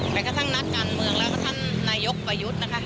แม้กระทั่งนักการเมืองแล้วก็ท่านนายกประยุทธ์นะคะ